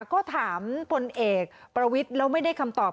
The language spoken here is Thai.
ก็ถามพลเอกประวิทย์แล้วไม่ได้คำตอบ